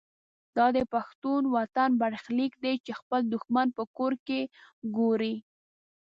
دا د پښتون وطن برخلیک دی چې خپل دښمن په کور کې ګوري.